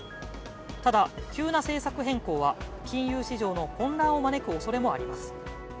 ただ、急な政策変更は金融市場の混乱を招くおそれもあります。